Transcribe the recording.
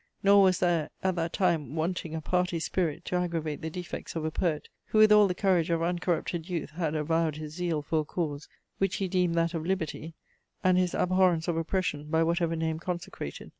Nor was there at that time wanting a party spirit to aggravate the defects of a poet, who with all the courage of uncorrupted youth had avowed his zeal for a cause, which he deemed that of liberty, and his abhorrence of oppression by whatever name consecrated.